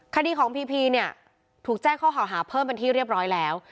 คดีของพีพีเนี่ยถูกแจ้งข้อหาเพิ่มเป็นที่เรียบร้อยแล้ว